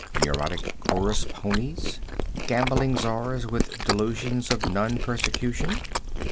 Neurotic chorus ponies? Gambling czars with delusions of non persecution?